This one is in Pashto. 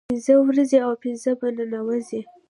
پنځه ووزي او پنځه په ننوزي